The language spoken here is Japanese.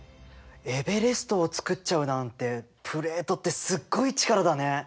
エベレストをつくっちゃうなんてプレートってすっごい力だね。